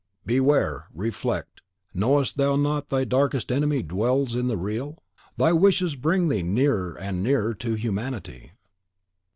"Beware, reflect! Knowest thou not that thy darkest enemy dwells in the Real? Thy wishes bring thee near and nearer to humanity."